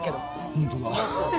本当だ。